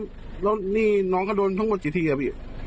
แล้วนี่น้องเขาโดนทั้งหมดกี่ทีอะพี่